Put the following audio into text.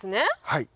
はい。